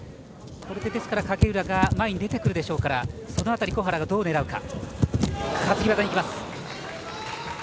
これで影浦が前に出てくるでしょうからその辺り小原がどう狙うか。